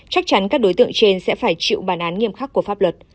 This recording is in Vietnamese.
chắc chắn các đối tượng trên sẽ phải chịu bản án nghiêm khắc của pháp luật